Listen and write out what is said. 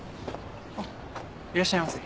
あっいらっしゃいませ。